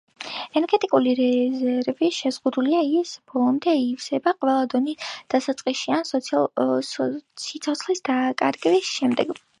ენერგეტიკული რეზერვი შეზღუდულია, ის ბოლომდე ივსება ყველა დონის დასაწყისში ან სიცოცხლის დაკარგვის შემდეგ.